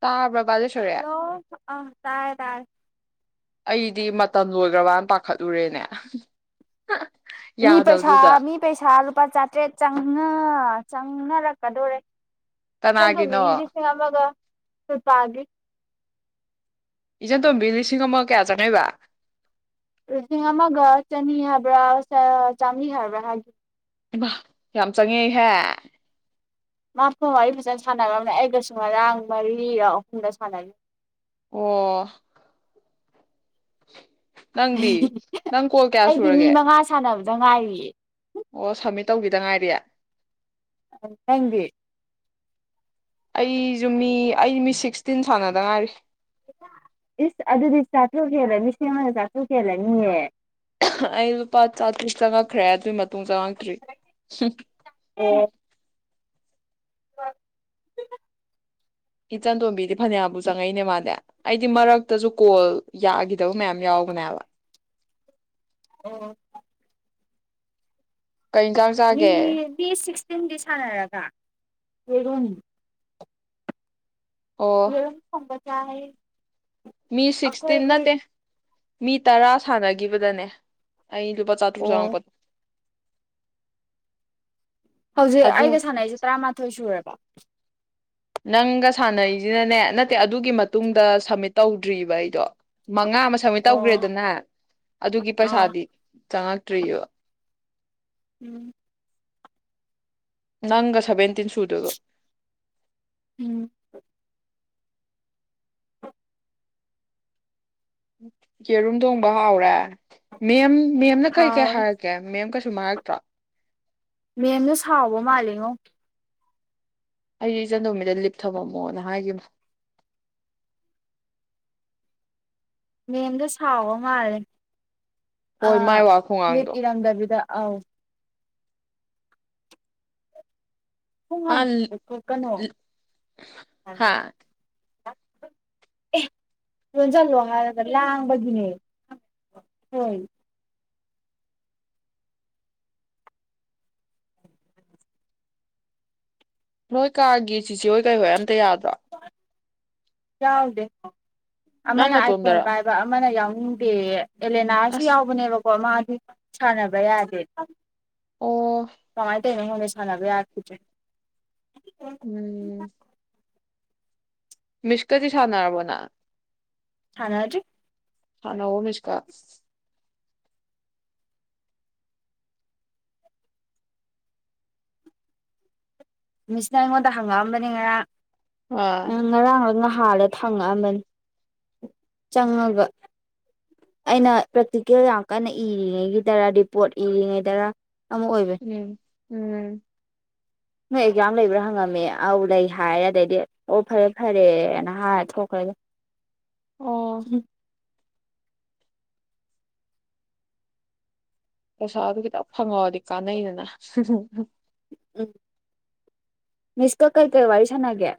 ꯇꯥꯕꯔꯥ ꯍꯜꯂꯣ ꯑ ꯇꯥꯔꯦ ꯇꯥꯔꯦ ꯑꯩꯗꯤ ꯃꯇꯝ ꯂꯣꯏꯈ꯭ꯔꯕꯅ ꯄꯥꯈꯠꯂꯨꯔꯦꯅꯦ ꯃꯤ ꯄꯩꯁꯥ ꯌꯥꯗꯕꯗꯨꯗ ꯃꯤ ꯄꯩꯁꯥ ꯂꯨꯄꯥ ꯆꯥꯇ꯭ꯔꯦꯠ ꯆꯪꯅꯔꯦ ꯆꯪꯅꯔꯛꯀꯗꯣꯔꯦ ꯀꯅꯥꯒꯤꯅꯣ ꯏꯆꯟꯇꯣꯝꯕꯤꯒꯤ ꯂꯤꯁꯤꯡ ꯑꯃꯒ ꯆꯥꯆꯥꯒꯤ ꯏꯆꯟꯇꯣꯝꯕꯤ ꯂꯤꯁꯤꯡ ꯑꯃꯒ ꯀꯌꯥ ꯆꯪꯉꯛꯏꯕ ꯂꯤꯁꯤꯡ ꯑꯃꯒ ꯆꯅꯤ ꯍꯥꯏꯕ꯭ꯔꯥ ꯆꯥꯃꯔꯤ ꯍꯥꯏꯕ꯭ꯔꯥ ꯍꯥꯏ ꯏꯃꯥ ꯌꯥꯝ ꯆꯪꯉꯛꯏꯍꯦ ꯃꯥ ꯐꯣꯟ ꯋꯥꯔꯤ ꯐꯖꯅ ꯁꯥꯟꯅꯔꯝꯃꯦ ꯑꯩꯒꯁꯨ ꯉꯔꯥꯡ ꯃꯔꯤꯔꯥ ꯑꯍꯨꯝꯔꯥ ꯁꯥꯟꯅꯈꯤ ꯑꯣ ꯅꯪꯗꯤ ꯅꯪ ꯀꯣꯜ ꯀꯌꯥ ꯑꯩꯗꯤ ꯃꯤ ꯁꯨꯔꯒꯦ ꯃꯉꯥ ꯁꯥꯟꯅꯕ ꯗ ꯉꯥꯏꯔꯤꯌꯦ ꯑꯣ ꯁꯝꯃꯤꯠ ꯇꯧꯈꯤꯗ ꯉꯥꯏꯔꯤ ꯅꯪꯗꯤ ꯑꯩꯁꯨ ꯃꯤ ꯑꯩ ꯃꯤ ꯁꯤꯛꯁꯇꯤꯟ ꯁꯥꯟꯅꯗ ꯉꯥꯏꯔꯤ ꯏꯁ ꯑꯗꯨꯗꯤ ꯆꯥꯇꯔꯨꯛ ꯍꯦꯂꯅꯤ ꯂꯤꯁꯤꯡꯑꯃꯒ ꯆꯥꯇꯔꯨꯛ ꯍꯦꯜꯂꯅꯤꯌꯦ ꯑ ꯍꯥ ꯑꯩ ꯂꯨꯄꯥ ꯆꯥꯇꯔꯨꯛ ꯆꯪꯉꯛꯈ꯭ꯔꯦ ꯑꯗꯨꯏ ꯃꯇꯨꯡ ꯆꯪꯉꯛꯇ꯭ꯔꯤ ꯍꯨꯝ ꯑꯦ [unintelligible] ꯏꯆꯟꯇꯣꯝꯕꯤꯗꯤ ꯐꯅꯌꯥꯕꯨ ꯆꯪꯉꯛꯏꯅꯦ ꯃꯥꯗꯦ ꯑꯩꯗꯤ ꯃꯔꯛꯇꯖꯨ ꯀꯣꯜ ꯌꯥꯒꯤꯗꯕ ꯃꯌꯥꯝ ꯌꯥꯎꯕꯅꯦꯕ ꯑꯣ ꯀꯩ ꯏꯟꯁꯥꯡ ꯃꯤ ꯆꯥꯒꯦ ꯃꯤ ꯁꯤꯛꯁꯇꯤꯟꯒꯤ ꯁꯥꯟꯅꯔꯒ ꯐꯔꯨꯝ ꯑꯣ ꯌꯦꯔꯨꯝ ꯊꯣꯡꯒꯅꯤ ꯆꯔꯦ ꯃꯤ ꯁꯤꯛꯁꯇꯤꯟ ꯅꯠꯇꯦ ꯃꯤ ꯇꯔꯥ ꯁꯥꯟꯅꯒꯤꯕꯗꯅꯦ ꯑꯩ ꯂꯨꯄꯥ ꯆꯥꯇ꯭ꯔꯨꯛ ꯑꯣ ꯆꯉꯛꯄꯗ ꯍꯧꯖꯤꯛ ꯑꯗꯨ ꯑꯩꯒ ꯁꯥꯟꯅꯩꯁꯦ ꯇꯔꯥꯃꯥꯊꯣꯏ ꯁꯨꯔꯕꯣ ꯅꯪꯒ ꯁꯥꯟꯅꯩꯖꯤꯅꯅꯦ ꯅꯠꯇꯦ ꯑꯗꯨꯒꯤ ꯃꯇꯨꯡꯗ ꯁꯃꯤꯠ ꯇꯧꯗ꯭ꯔꯤꯕ ꯑꯩꯗꯣ ꯃꯉꯥ ꯑꯃ ꯁꯃꯤꯠ ꯑꯣ ꯇꯧꯒ꯭ꯔꯦꯗꯅ ꯑꯗꯨꯒꯤ ꯑꯥ ꯄꯩꯁꯥꯗꯤ ꯆꯪꯉꯛꯇ꯭ꯔꯤꯕ ꯎꯝ ꯅꯪꯒ ꯁꯕꯦꯟꯇꯤꯟ ꯁꯨꯗꯣꯏꯕ ꯎꯝ ꯌꯦꯔꯨꯝ ꯊꯣꯡꯕ ꯍꯥꯎꯔꯦ ꯃꯦꯝ ꯃꯦꯝꯅ ꯀꯩ ꯀꯩ ꯍꯥꯎꯔꯦ ꯍꯥꯏꯔꯛꯀꯦ ꯃꯦꯝꯀ ꯍꯥꯏꯔꯛꯇ꯭ꯔꯣ ꯃꯦꯝꯗꯣ ꯁꯥꯎꯕ ꯃꯥꯜꯂꯤꯉꯣ ꯑꯩꯗꯤ ꯏꯆꯟ ꯇꯣꯝꯕꯤꯗ ꯂꯤꯞ ꯊꯝꯃꯝꯃꯣꯅ ꯍꯥꯏꯒꯤꯝꯅꯦ ꯃꯦꯝꯗꯣ ꯁꯥꯎꯕ ꯃꯥꯜꯂꯦ ꯑ ꯍꯣꯏ ꯃꯥꯏ ꯋꯥ ꯂꯤꯞ ꯈꯣꯡꯒꯥꯡꯗꯣ ꯏꯔꯝꯗꯕꯤꯗ ꯑꯥꯎ ꯊꯣꯡ ꯑꯥ ꯂꯤ ꯍꯥꯡꯇꯣꯛꯑꯣ ꯊꯣꯛꯀꯅꯣ ꯍꯥꯥ ꯑꯦ ꯂꯣꯟꯖꯜꯂꯣ ꯍꯥꯏꯔꯒ ꯂꯥꯡꯕꯒꯤꯅꯦ ꯍꯣꯏ ꯅꯣꯏ ꯀꯥꯒꯤ ꯆꯤꯆꯦ ꯍꯣꯏ ꯀꯩ ꯍꯣꯏ ꯑꯝꯇ ꯌꯥꯗꯣ ꯌꯥꯎꯗꯦ ꯅꯪ ꯑꯃꯅ ꯑꯥꯏꯐꯣꯟ ꯅꯇꯣꯝꯗꯔ ꯄꯥꯏꯕ ꯑꯃꯅ ꯌꯥꯎ ꯍꯗꯦꯌꯦ ꯑꯦꯂꯦ ꯅꯥꯁꯨ ꯑꯁ ꯌꯥꯎꯕꯅꯦꯕꯀꯣ ꯃꯥ ꯁꯥꯟꯅꯕ ꯌꯥꯗꯦ ꯑꯣ ꯄꯦꯜꯂꯦ ꯑꯩꯉꯣꯟꯗꯩ ꯁꯥꯅꯕ ꯌꯈꯤꯗꯔ꯭ꯦ ꯎꯝ ꯃꯤꯁ ꯀꯗꯤ ꯁꯥꯅꯔꯕꯣ ꯅꯪ ꯁꯅꯗꯔ꯭ꯤ ꯁꯅꯧ ꯑꯣ ꯃꯤꯗ ꯀ ꯃꯤꯁꯅ ꯑꯩꯉꯣꯟꯗ ꯍꯪꯉꯛꯑꯝꯕꯅꯤ ꯉꯔꯥꯡ ꯑꯥ ꯑ ꯉꫪꯥꯡ ꯂꯣ ꯊꯥꯗ ꯊꯪꯉꯛꯑꯝꯕꯅꯤ ꯆꯪꯉꯒ ꯑꯩꯅ ꯄ꯭ꯔꯦꯛꯇꯤꯀꯦꯜ ꯌꯥꯝ ꯀꯟꯅ ꯏꯔꯤꯉꯩꯒꯤꯗꯔ ꯔꯤꯄꯣꯔꯠ ꯏꯔꯤꯉꯩꯗꯔ ꯑꯃ ꯑꯣꯏꯕꯅꯦ ꯎꯝ ꯎꯝ ꯅꯣꯏ ꯑꯦꯛꯖꯥꯝ ꯂꯩꯕ꯭ꯔꯥ ꯍꯪꯉꯝꯃꯤ ꯑ ꯂꯩ ꯍꯥꯏꯔꯦ ꯑꯗꯩꯗꯤ ꯑꯣ ꯐꯔꯦ ꯐꯔꯦꯅ ꯍꯥꯏꯔ ꯊꯣꯛꯈ꯭ꯔꯦ ꯗꯨꯝ ꯑꯣ ꯄꯩꯁꯥ ꯑꯗꯨ ꯈꯤꯇꯪ ꯐꯪꯉꯛꯑꯗꯤ ꯀꯥꯟꯅꯩꯗꯅ ꯎꯝ ꯃꯤꯁꯀ ꯀꯔꯤ ꯀꯔꯤ ꯋꯥꯔꯤ ꯁꯅꯒꯦ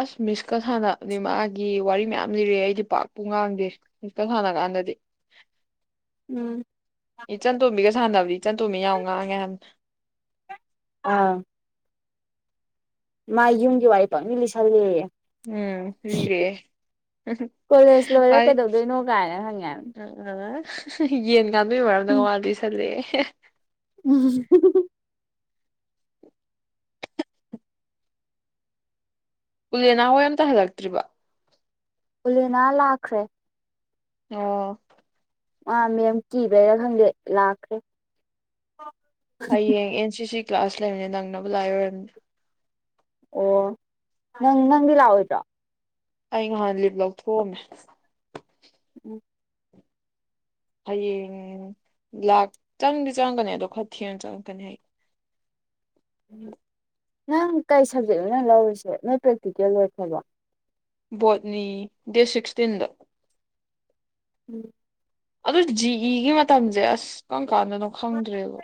ꯑꯁ ꯃꯤꯁꯀ ꯁꯥꯟꯅꯗꯤ ꯃꯥꯒꯤ ꯋꯥꯔꯤ ꯃꯌꯥꯝ ꯂꯤꯔꯛꯑꯦ ꯑꯩꯗꯤ ꯄꯥꯛꯄꯨ ꯉꯥꯡꯗꯦ ꯃꯤꯁꯀ ꯁꯥꯟꯅ ꯀꯥꯟꯗꯗꯤ ꯎꯝ ꯏꯆꯟꯇꯣꯝꯕꯤꯒ ꯁꯥꯟꯅꯕꯗꯤ ꯆꯟꯇꯣꯝꯕꯤ ꯌꯥꯝ ꯉꯥꯡꯑꯦ ꯍꯥꯏꯕꯅꯦ ꯑꯥ ꯃꯥ ꯌꯨꯝꯒꯤ ꯋꯥꯔꯤ ꯐꯪꯅꯤ ꯂꯤꯁꯜꯂꯦꯌꯦ ꯎꯝ ꯏꯜꯦ ꯀꯣꯂꯦꯖ ꯂꯣꯏꯔ ꯑ ꯁꯨ ꯀꯩꯗꯧꯗꯣꯏꯅꯣ ꯀꯥꯏꯅ ꯍꯪꯉꯦ ꯍꯥꯏꯕꯅꯤ ꯌꯦꯟ ꯉꯃꯤ ꯑꯣꯏꯔꯗꯒꯉꯕꯤꯁꯂꯦ ꯍ ꯎꯝ ꯎꯂꯦꯅꯥ ꯍꯣꯏ ꯑꯝꯇ ꯍꯜꯂꯛꯇ꯭ꯔꯤꯕ ꯎꯂꯦꯅꯥ ꯂꯥꯛꯈ꯭ꯔꯦ ꯑꯣ ꯑ ꯃꯦꯝ ꯀꯤꯕꯩꯔꯥ ꯈꯪꯗꯦ ꯂꯥꯛꯈ꯭ꯔꯦ ꯍꯌꯦꯡ ꯑꯦꯟ ꯁꯤꯁꯤ ꯀ꯭ꯂꯥꯁ ꯂꯩꯕꯅꯦ ꯅꯪꯅꯕꯕꯨ ꯂꯥꯛꯏ ꯑꯣꯏꯔꯝꯅꯤ ꯑꯣ ꯅꯪ ꯅꯪꯗꯤ ꯂꯥꯛꯑꯣꯏꯗ꯭ꯔꯣ ꯑꯩ ꯅꯍꯥꯟ ꯂꯤꯞ ꯂꯧꯊꯣꯛꯑꯝꯃꯦ ꯎꯝ ꯍꯌꯦꯡ ꯂꯥꯛ ꯆꯪꯗꯤ ꯆꯪꯉꯛꯀꯅꯤ ꯑꯗꯣ ꯈꯔ ꯊꯦꯡꯅ ꯆꯪꯉꯛꯀꯅꯤ ꯍꯥꯏꯌꯦꯡ ꯎ ꯅꯪ ꯀꯔꯤ ꯁꯕꯖꯦꯛ ꯑꯣꯏꯅ ꯂꯧꯔꯤꯁꯦ ꯅꯣꯏ ꯄ꯭ꯔꯦꯛꯇꯤꯀꯦꯜ ꯂꯣꯏꯈ꯭ꯔꯕꯣ ꯕꯣꯠꯅꯤ ꯗꯦꯠ ꯁꯤꯛꯁꯇꯤꯟꯗ ꯎꯝ ꯑꯗꯨ ꯖꯤ ꯏꯒꯤ ꯃꯇꯝꯁꯦ ꯑꯁ ꯈꯪ ꯀꯥꯟꯗꯅꯣ ꯈꯪꯗ꯭ꯔꯦꯕ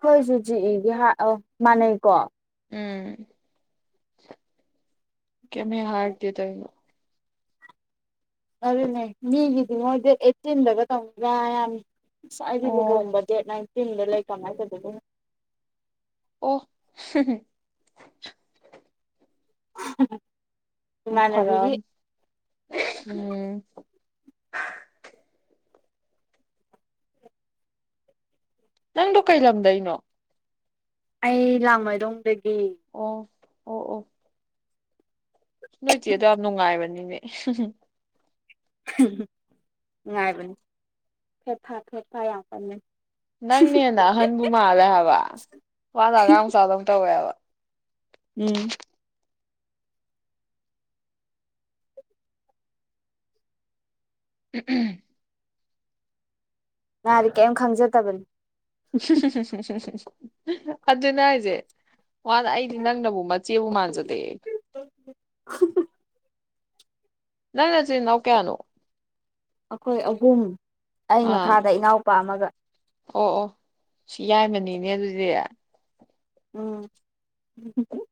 ꯍꯣꯏꯁꯨꯨꯖꯤ ꯏꯒꯤ ꯑ ꯃꯥꯟꯅꯩꯀꯣ ꯎꯝ ꯀꯩꯌꯤꯝ ꯍꯦꯛ ꯍꯥꯏꯔꯛꯇꯦ ꯇꯧꯔꯤꯁꯦ ꯑꯗꯨꯅꯦ ꯃꯤꯒꯗꯤ ꯃꯣꯢ ꯗꯦꯠ ꯑꯩꯇꯤꯟꯗꯒ ꯇꯧꯅꯤ ꯍꯥꯏ ꯍꯥꯏꯕꯅꯤ ꯉꯥꯁꯥꯏꯗꯤ ꯑꯣ ꯂꯨꯍꯣꯡꯕ ꯗꯦꯠ ꯅꯥꯏꯟ [unintelligible] ꯑꯣ ꯍꯨꯝ ꯍꯨꯝ [inaudible] ꯏꯃꯥꯟꯅꯕꯤꯒꯤ ꯐꯔꯝ ꯎꯝ ꯅꯪꯗꯣ ꯀꯩ ꯂꯝꯗꯩꯅꯣ ꯑꯩ ꯂꯥꯡꯃꯩꯗꯣꯡꯗꯒꯤ ꯑꯣ ꯑꯣ ꯑꯣ ꯅꯣꯏ ꯆꯦꯗꯣ ꯌꯥꯝ ꯅꯨꯡꯉꯥꯏꯕꯅꯤꯅꯦ ꯍꯨ ꯍꯨꯝ ꯅꯨꯡꯉꯥꯏꯕꯅꯦ ꯐꯦꯠ ꯐꯥ ꯐꯦꯠ ꯐꯥ ꯌꯥꯝ ꯀꯟꯕꯅꯦ ꯅꯪꯅꯦ ꯍꯦꯟꯅ ꯑꯍꯟꯕꯨ ꯃꯥꯜꯂꯦ ꯍꯥꯏꯕ ꯃꯥꯅ ꯑꯉꯥꯡ ꯃꯆꯥꯗꯧꯅ ꯇꯧꯋꯦ ꯍꯥꯏꯕ ꯎꯝ [inaudible] ꯎꯝ ꯎꯝ ꯃꯥꯗꯤ ꯀꯩꯝ ꯈꯪꯖꯗꯕꯅꯤ ꯍꯨꯝ ꯍꯨꯝ ꯍꯨꯝ ꯑꯗꯨꯅ ꯍꯥꯏꯁꯦ ꯃꯥꯅ ꯑꯩꯗꯤ ꯅꯪꯅꯕꯨ ꯃꯆꯦꯕꯨ ꯃꯥꯟꯖꯜ ꯄꯦ ꯅꯪ ꯅꯆꯤꯟ ꯅꯅꯥꯎ ꯀꯌꯥꯅꯣ ꯑꯩꯈꯣꯏ ꯑꯍꯨꯝ ꯑꯩ ꯑꯥ ꯃꯈꯥꯗ ꯏꯅꯥꯎꯄꯥ ꯑꯃꯒ ꯑꯣ ꯑꯣ ꯁꯤ ꯌꯥꯏꯃꯅꯤꯅꯦ ꯑꯗꯨꯗꯤ ꯎꯝ ꯍꯨ ꯍꯨ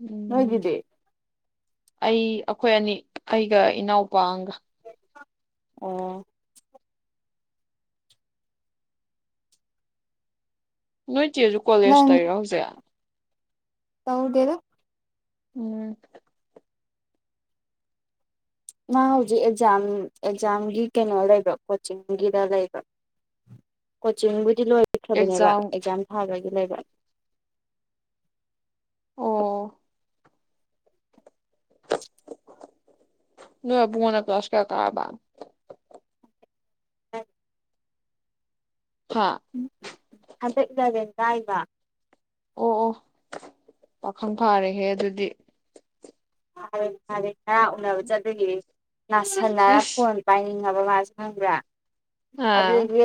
ꯎꯝ ꯅꯣꯏꯒꯤꯗꯤ ꯑꯩ ꯑꯩꯈꯣꯏ ꯑꯅꯤ ꯑꯩꯒ ꯏꯅꯥꯎꯄꯥ ꯑꯒ ꯑꯣ ꯅꯣꯏ ꯆꯦꯁꯨ ꯀꯣꯂꯦꯖ ꯅꯪ ꯇꯧꯂꯤꯔꯣ ꯍꯧꯖꯤꯛ ꯇꯧꯗꯦꯗ ꯎꯝ ꯃꯥ ꯍꯧꯖꯤꯛ ꯑꯦꯛꯖꯥꯝ ꯑꯦꯛꯖꯥꯝꯒꯤ ꯀꯩꯅꯣ ꯂꯩꯕ꯭ꯔ ꯀꯣꯆꯤꯡꯒꯤꯗ ꯂꯩꯕ꯭ꯔ ꯀꯣꯆꯤꯡꯕꯨ ꯗꯤ ꯂꯣꯏꯈ꯭ꯔꯕꯅꯦꯕ ꯑꯦꯛꯖꯥꯝ ꯊꯥꯗꯧꯒꯤ ꯂꯩ ꯑꯣ ꯅꯣꯏ ꯑꯕꯨꯡꯉꯣꯅ ꯀ꯭ꯥꯂꯁ ꯀꯌꯥ ꯀꯥꯕ ꯍꯥꯥ ꯍꯟꯗꯛ ꯏꯂꯦꯚꯦꯟ ꯀꯥꯏꯕ ꯑꯣ ꯑꯣ ꯄꯥꯈꯪ ꯐꯥꯔꯦꯍꯦ ꯑꯗꯨꯗꯤ ꯐꯔꯦ ꯐꯔꯦꯗ ꯎꯅꯕ ꯆꯠꯇꯣꯏꯅꯦ ꯅꯥꯁꯟꯅꯔ ꯑꯁ ꯐꯣꯟ ꯄꯥꯏꯅꯤ ꯐꯕꯧꯉꯥ ꯍꯥꯏꯁꯦ ꯈꯪꯕ꯭ꯔꯥ ꯑꯥ ꯑꯗꯨꯗꯒꯤ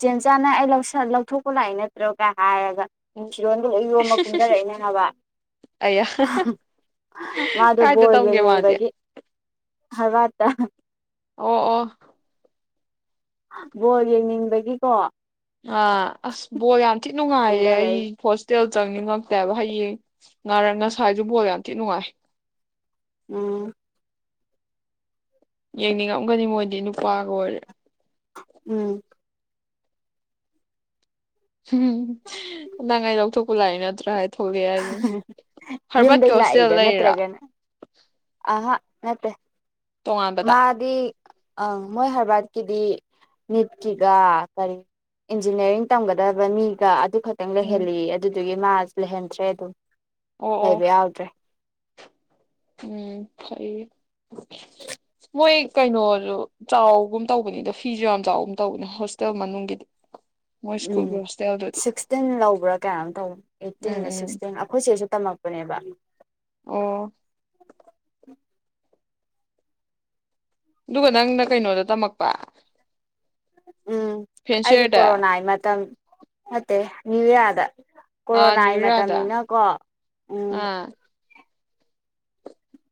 ꯆꯦꯟ ꯆꯥꯅ ꯑꯩꯁꯤꯜ ꯂꯧꯊꯣꯛꯄ ꯂꯥꯛꯏ ꯅꯠꯇ꯭ꯔꯣꯒ ꯍꯥꯏꯔ ꯐꯤꯔꯣꯟꯗꯨ ꯂꯣꯏ ꯌꯣꯝꯃ ꯀꯨꯝꯊꯔꯛꯏꯅꯦ ꯍꯥꯏꯕ ꯑꯩꯌꯥ ꯃꯥꯗꯣ ꯀꯥꯏꯗ ꯕꯣꯔ ꯇꯝꯒꯦ ꯃꯥꯗꯤ ꯌꯦꯡꯅꯤꯡꯕꯒꯤ ꯍꯥꯔꯕꯥꯠꯇ ꯑꯣ ꯑꯣ ꯕꯣꯜ ꯌꯦꯡꯅꯤꯡꯕꯒꯤꯀꯣ ꯑꯥ ꯑꯁ ꯕꯣꯜ ꯌꯥꯝ ꯊꯤ ꯅꯨꯡꯉꯥꯏꯌꯦ ꯑꯩ ꯀꯨꯝꯗꯔꯛꯏ ꯍꯣꯁꯇꯦꯜ ꯆꯪꯅꯤꯉꯛꯇ꯭ꯔꯕ ꯍꯌꯦꯡ ꯉꯥꯔ ꯉꯁꯥꯏꯁꯨ ꯕꯣꯜ ꯌꯥꯝ ꯊꯤ ꯅꯨꯡꯉꯥꯏ ꯎꯝ ꯌꯦꯡꯅꯤꯡꯉꯝꯒꯅꯤ ꯃꯣꯏꯗꯤ ꯅꯨꯄꯥꯒ ꯑꯣꯏꯔꯦ ꯎꯝ ꯁꯨꯝ ꯅꯪ ꯑꯩ ꯂꯧꯊꯣꯛꯄ ꯂꯥꯛꯏ ꯅꯠꯇ꯭ꯔꯥ ꯊꯣꯛꯂꯛꯑꯦ ꯍꯥ ꯍꯥꯏꯗꯨꯅꯤ ꯍꯥ ꯍꯥ ꯌꯨꯝꯗ ꯍꯔꯕꯠꯀꯤ ꯍꯣꯁꯇꯦꯜ ꯂꯥꯛꯑꯦꯗ ꯂꯩꯔꯤꯔꯥ ꯅꯠꯇ꯭ꯔꯒꯅ ꯑꯍꯥ ꯅꯠꯇꯦ ꯇꯣꯉꯥꯟꯕꯗ ꯃꯥꯗꯤ ꯑꯧ ꯃꯣꯏ ꯍꯔꯕꯥꯠꯀꯤꯗꯤ ꯅꯤꯠꯀꯤꯒ ꯀꯔꯤ ꯏꯟꯖꯤꯅꯤꯌꯥꯔꯤꯡ ꯇꯝꯒꯗꯕ ꯃꯤꯒ ꯑꯗꯨ ꯈꯔ ꯊꯦꯡ ꯎꯝ ꯂꯩꯍꯦꯜꯂꯦꯌꯦ ꯑꯗꯨ ꯑꯗꯨꯒꯤ ꯃꯥꯁꯨ ꯂꯩꯍꯟꯗ꯭ꯔꯦ ꯑꯗꯨꯝ ꯑꯣ ꯑꯣ ꯆꯩꯕ ꯌꯥꯎꯗ꯭ꯔꯦ ꯎꯝ ꯐꯩꯌꯦ ꯃꯣꯏ ꯀꯩꯅꯣꯁꯨ ꯆꯥꯎꯒꯨꯝ ꯇꯧꯕꯅꯤꯗ ꯐꯤꯁꯨ ꯌꯥꯝ ꯆꯥꯎꯒꯨꯝ ꯇꯧꯕꯅꯦ ꯍꯣꯁꯇꯦꯜ ꯃꯅꯨꯡꯒꯤꯗꯤ ꯃꯣꯏ ꯎꯝ ꯁ꯭ꯀꯨꯜꯒꯤ ꯍꯣꯁꯇꯦꯜꯗꯨꯗꯤ ꯁꯤꯛꯁꯇꯤꯟ ꯂꯧꯕ꯭ꯔꯥ ꯀꯌꯥꯅꯣꯝ ꯇꯧ ꯎꯝ ꯑꯩꯠꯇꯤꯟꯜ ꯎꯝ ꯁꯤꯛꯁꯇꯤꯟ ꯑꯩꯈꯣꯏꯆꯦꯁꯨ ꯇꯝꯃꯛ ꯄꯅꯦꯕ ꯑꯣ ꯑꯗꯨꯒ ꯅꯪꯅ ꯀꯩꯅꯣꯗ ꯇꯝꯃꯛꯄ ꯎꯝ ꯑꯩꯗꯤ ꯐꯦꯟꯁꯤꯌꯔꯗ ꯀꯣꯔꯣꯅꯥꯥꯏ ꯃꯇꯝ ꯅꯠꯇꯦ ꯅ꯭ꯌꯨꯌꯥꯔ ꯗ ꯑꯥ ꯀꯣꯔꯣꯅꯥꯒꯤ ꯅ꯭ꯌꯨꯔꯥꯗ ꯃꯇꯝꯅꯤꯅꯀꯣ ꯎꯝ ꯑꯥ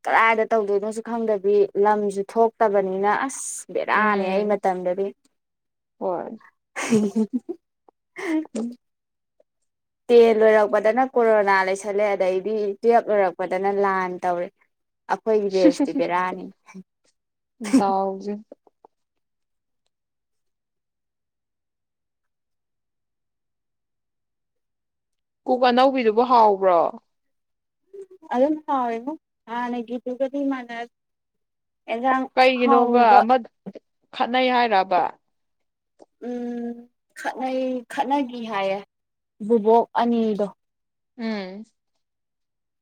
ꯀꯗꯥꯏꯗ ꯇꯧꯗꯣꯏꯅꯣꯁꯨ ꯈꯪꯗꯕꯤ ꯂꯝꯁꯨ ꯊꯣꯛꯇꯕꯅꯤꯅ ꯑꯁ ꯕꯦꯔꯥꯅꯦ ꯑꯩ ꯎꯝ ꯃꯇꯝꯗꯗꯤ ꯍꯣꯏ ꯍꯤ ꯍꯤ ꯍꯨꯝ ꯍꯤ ꯍꯨꯝ ꯇꯦꯟ ꯂꯣꯏꯔꯛꯄꯗꯅ ꯀꯣꯔꯣꯅꯥ ꯂꯩꯁꯜꯂꯦ ꯑꯗꯩꯗꯤ ꯇꯨꯋꯦꯞ ꯂꯣꯏꯔꯛꯄꯗꯅ ꯂꯥꯟ ꯇꯧꯔꯦ ꯑꯩꯈꯣꯏꯒꯤ ꯕꯦꯁꯇꯤ ꯕꯦꯔꯥꯅꯤ ꯗꯥꯎꯁꯦ ꯀꯨꯛ ꯑꯅꯧꯕꯤꯗꯨꯕꯨ ꯍꯥꯎꯕ꯭ꯔꯣ ꯑꯗꯨ ꯑꯗꯨꯝ ꯍꯥꯎꯏꯕꯨ ꯍꯦꯟꯅꯒꯤꯗꯨꯒꯗꯤ ꯃꯅꯥ ꯀꯩꯒꯤꯅꯣꯕ ꯑꯃ ꯈꯠꯅꯩ ꯍꯥꯏꯔꯕ ꯎꯝ ꯈꯠꯅꯩ ꯈꯠꯅꯒꯤ ꯍꯥꯏꯌꯦ ꯕꯨꯕꯣꯛ ꯑꯅꯤꯗꯣ ꯎꯝ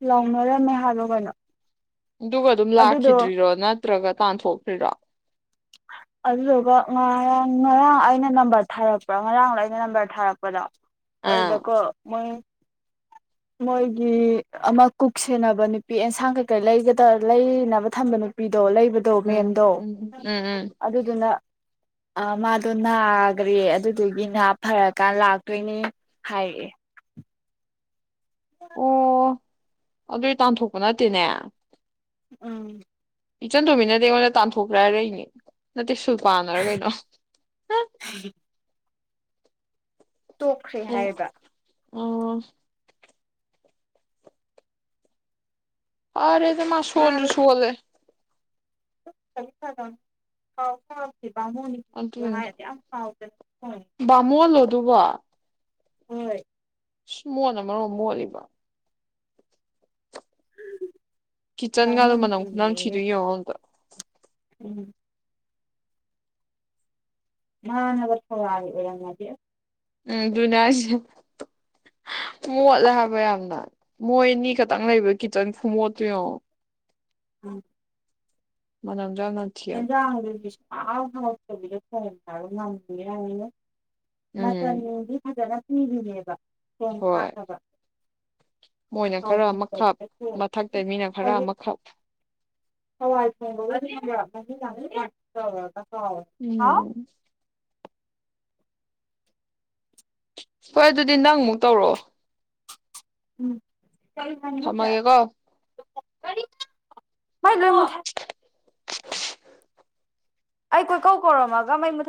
ꯂꯥꯎꯅꯔꯝꯃꯦ ꯍꯥꯏꯕꯔꯣ ꯀꯩꯅꯣ ꯑꯗꯨꯒ ꯑꯗꯨꯝ ꯑꯗꯨꯗꯣ ꯂꯥꯛꯈꯤꯗ꯭ꯔꯤꯔꯣ ꯅꯠꯇ꯭ꯔꯒ ꯇꯥꯟꯊꯣꯛꯈ꯭ꯔꯤꯔꯣ ꯑꯗꯨꯗꯨꯒ ꯉꯔꯥꯡ ꯉꯔꯥꯡ ꯑꯩꯅ ꯅꯝꯕꯔ ꯊꯥꯔꯛꯄ꯭ꯔꯥ ꯉꯔꯥꯡꯗꯣ ꯑꯩꯅ ꯅꯝꯕꯔ ꯊꯥꯔꯛꯄꯗꯣ ꯑꯗꯨꯗ ꯑꯥ ꯀꯣ ꯃꯣꯏ ꯃꯣꯏꯒꯤ ꯑꯃ ꯀꯨꯛ ꯁꯦꯟꯅꯕ ꯅꯨꯄꯤ ꯑꯦꯟꯁꯥꯡ ꯀꯩꯀꯩ ꯂꯩꯒꯗ ꯂꯩꯅꯕ ꯊꯝꯕ ꯅꯨꯄꯤ ꯗꯣ ꯂꯩꯕꯗꯣ ꯎꯝ ꯃꯦꯝꯗꯣ ꯎꯝ ꯎꯝ ꯎꯝ ꯑꯗꯨꯗꯨꯅ ꯑ ꯃꯥꯗꯣ ꯅꯥꯈ꯭ꯔꯦ ꯑꯗꯨꯗꯨꯒꯤ ꯅ ꯐꯔꯀꯥꯟ ꯂꯥꯛꯇꯣꯏꯅꯦ ꯍꯥꯏꯔꯛꯑꯦ ꯑꯣ [inaudible] ꯑꯗꯨꯏ ꯇꯥꯟꯊꯣꯛꯄ ꯅꯠꯇꯦꯅꯦ ꯎꯝ ꯏꯆꯟ ꯇꯣꯝꯕꯤꯅꯗꯤ ꯑꯩꯉꯣꯟꯗ ꯇꯥꯟꯊꯣꯛꯈ꯭ꯔꯦ ꯍꯥꯏꯔꯛꯏꯅꯦ ꯅꯠꯇꯦ ꯁꯨ ꯄꯥꯅꯔꯣ ꯀꯩꯅꯣ ꯇꯣꯛꯈ꯭ꯔꯦ ꯍꯥꯏꯕ ꯑꯣ ꯐꯔꯦꯗ ꯃꯥ ꯁꯣꯟꯁꯨ ꯁꯣꯟꯂꯦ [unintelligible] ꯕꯃꯣꯟꯅꯤꯁꯨ ꯍꯥꯏ ꯌꯥꯝ ꯄꯎ [inaudible] ꯕꯃꯣꯟꯂꯣ ꯑꯗꯨꯕꯣ ꯍꯣꯏ ꯑꯁ ꯃꯣꯠꯅ ꯃꯔꯣꯟ ꯑꯃ ꯃꯣꯠꯜꯂꯤꯕ ꯀꯤꯠꯆꯟꯒꯗꯣ ꯃꯅꯝ ꯈꯨꯅꯥꯝ ꯊꯤꯗꯣ ꯕꯥꯃꯣꯟꯅꯤꯀꯤꯅꯦꯌꯦ ꯌꯦꯡꯉꯣ ꯑꯝꯗ ꯎꯝ ꯃꯥ ꯅꯒ ꯊꯧꯔꯥꯅꯤ ꯑꯣꯏꯔꯝꯃꯗꯤ ꯑꯁ ꯎꯝ ꯑꯗꯨꯅꯦ ꯑꯩꯁꯦ ꯃꯣꯠꯂꯦ ꯍꯥꯏꯕ ꯌꯥꯝꯅ ꯃꯣꯏ ꯑꯅꯤ ꯈꯛꯇꯪ ꯂꯩꯕ ꯀꯤꯆꯟ ꯐꯨꯝꯃꯣꯠꯇꯣ ꯌꯦꯡꯉꯣ ꯎꯝ ꯃꯅꯝ ꯑꯦꯟꯖꯥꯡ ꯑꯍꯥꯎꯕ ꯍꯥꯎꯇꯕꯤꯗ ꯊꯣꯡꯉꯦ ꯍꯥꯏꯔꯒ ꯉꯥꯃꯨꯒ ꯌꯥꯎꯋꯤꯉꯣ ꯎꯝ ꯃꯆꯟꯗꯤ ꯐꯖꯅ ꯁꯤꯒꯤꯅꯦꯕ ꯍꯣꯏ ꯃꯣꯏꯅ ꯈꯔ ꯑꯃꯈꯞ ꯍꯥꯎꯍꯟꯗꯕꯤꯗ ꯃꯊꯛꯇꯩ ꯊꯣꯡꯉꯦ ꯃꯤꯅ ꯈꯔ ꯍꯧꯖꯤꯛ ꯑꯃꯈꯞ ꯍꯋꯥꯏ ꯊꯣꯡꯕꯒꯗꯤ ꯈꯪꯕꯔ [unintelligible] ꯎꯝ ꯍꯣꯏ ꯑꯗꯨꯗꯤ ꯅꯪ ꯑꯃꯨꯛ ꯇꯧꯔꯛꯑꯣ ꯎꯝ ꯀꯩ ꯍꯪꯉꯤꯅꯣ ꯆꯦ ꯊꯝꯃꯒꯦꯀꯣ ꯃꯩ ꯂꯣꯏ ꯃꯨꯊꯠ ꯑꯩ ꯀꯣꯏꯀꯧ ꯀꯧꯔꯝꯃꯒ ꯃꯩ ꯃꯨꯊꯠ